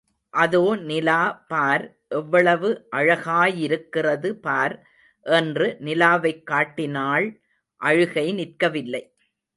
அதோ நிலா பார் எவ்வளவு அழகாயிருக்கிறது பார் என்று நிலாவைக் காட்டினாள் அழுகை நிற்கவில்லை.